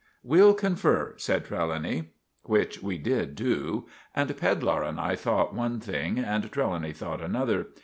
"We'll confer," said Trelawny. Which we did do; and Pedlar and I thought one thing and Trelawny thought another.